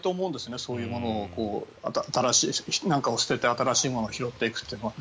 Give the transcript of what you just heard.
そういうものを何かを捨てて新しいものを拾っていくというのは。